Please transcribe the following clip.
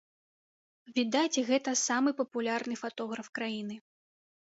Відаць, гэта самы папулярны фатограф краіны.